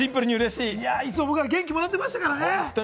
いつも元気もらってましたからね。